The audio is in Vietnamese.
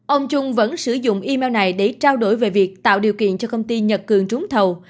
ông trung vẫn sử dụng email này để trao đổi về việc tạo điều kiện cho công ty nhật cường trúng thầu